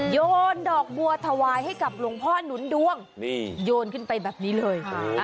โยนดอกบัวถวายให้กับหลวงพ่อหนุนดวงนี่โยนขึ้นไปแบบนี้เลย